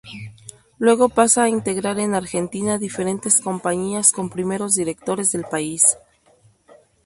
Luego pasa a integrar en Argentina diferentes compañías con primeros directores del país.